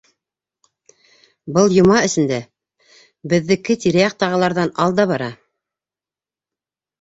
Был йома эсендә беҙҙеке тирә-яҡтағыларҙан алда бара.